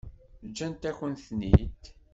Ǧǧant-akent-ten-id?